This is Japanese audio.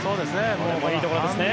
いいところですね。